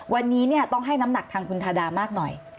วันนี้ต้องให้น้ำหนักทางคุณทาดามากหน่อย